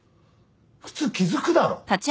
普通気付くだろ。